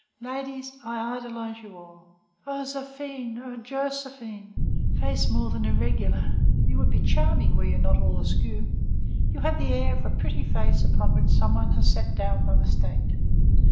Ladies, I idolize you all. O Zéphine, O Joséphine, face more than irregular, you would be charming were you not all askew. You have the air of a pretty face upon which some one has sat down by mistake.